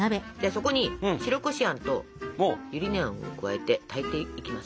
そこに白こしあんとゆり根あんを加えて炊いていきます。